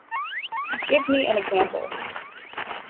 Give me an example